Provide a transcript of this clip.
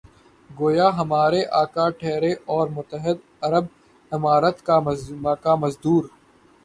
گویا ہمارے آقا ٹھہرے اور متحدہ عرب امارات کے مزدور۔